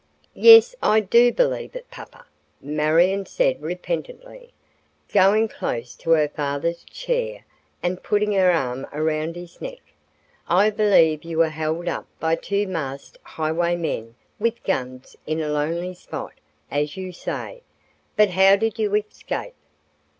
"Yes, I do believe it, papa," Marion said repentantly, going close to her father's chair and putting her arm around his neck. "I believe you were held up by two masked highwaymen with guns in a lonely spot, as you say. But how did you escape?"